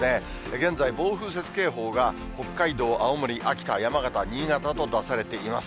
現在、暴風雪警報が北海道、青森、秋田、山形、新潟と出されています。